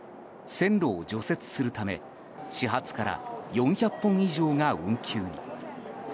線路を除雪するため始発から４００本以上が運休に。